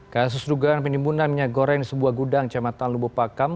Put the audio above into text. kasus dugaan penimbunan minyak goreng di sebuah gudang jembatan lubupakam